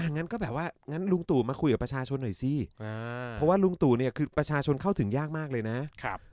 งั้นก็แบบว่างั้นลุงตู่มาคุยกับประชาชนหน่อยสิเพราะว่าลุงตู่เนี่ยคือประชาชนเข้าถึงยากมากเลยนะ